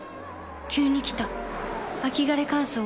急に来た秋枯れ乾燥。